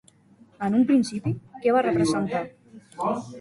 En un principi, què va representar?